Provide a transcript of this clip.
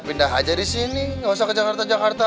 pindah aja di sini nggak usah ke jakarta jakarta